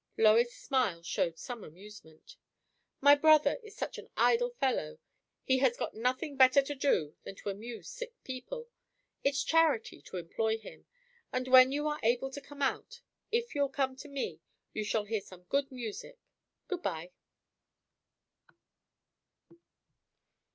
Lois's smile showed some amusement. "My brother is such an idle fellow, he has got nothing better to do than to amuse sick people. It's charity to employ him. And when you are able to come out, if you'll come to me, you shall hear some good music. Good bye!"